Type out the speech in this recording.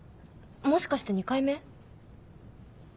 もしかして２回目？